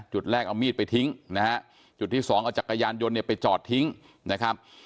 จุดแรกเอามีดไปทิ้งนะฮะจุดที่สองเอาจักรยานยนต์เนี่ยไปจอดทิ้งนะครับ